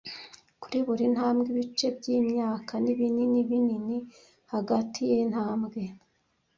Kuri buri ntambwe ibice byimyaka, nibinini binini hagati yintambwe,